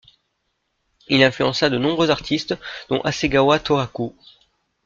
Il influença de nombreux artistes dont Hasegawa Tōhaku.